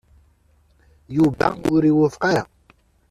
Yuba ur iwufeq ara.